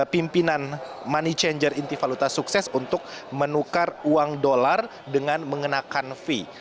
pimpinan money changer inti valuta sukses untuk menukar uang dolar dengan mengenakan fee